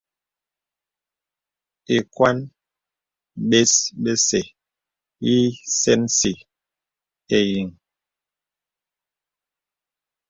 Ìkwan bes bə̀sɛ̀ yì sɛnsi ìyìŋ.